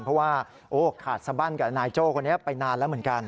เพราะว่าโอ้ขาดสบั้นกับนายโจ้คนนี้ไปนานแล้วเหมือนกัน